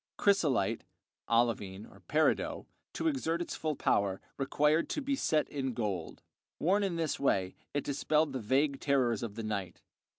Chrysolite (olivine, peridot), to exert its full power, required to be set in gold; worn in this way it dispelled the vague terrors of the night.